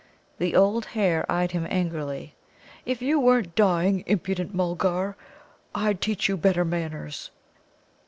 The old hare eyed him angrily. "If you weren't dying, impudent Mulgar, I'd teach you better manners."